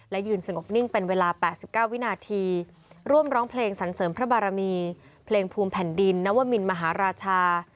และยืนสงบนิ่งเป็นเวลา๘๙วินาทีร่วมร้องเพลงสรรเสริมพระบารมีเพลงภูมิแผ่นดินนวมินมหาราชา